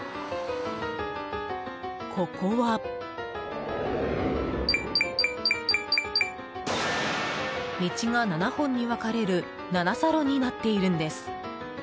ここは道が７本に分かれる七差路になっているんです。